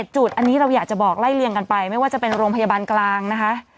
จุดอันนี้เราอยากจะบอกไล่เลี่ยงกันไปไม่ว่าจะเป็นโรงพยาบาลกลางนะคะ